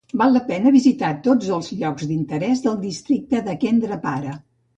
Val la pena visitar tots els llocs d'interès del districte de Kendrapara.